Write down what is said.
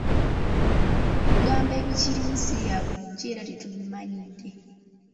Ebigambo ebikirimu si bya bulijjo era tetubimanyidde.